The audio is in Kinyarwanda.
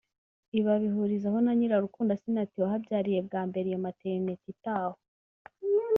Ibi abihurizaho na Nyirarukundo Assinath wahabyariye bwa mbere iyo maternité itahwa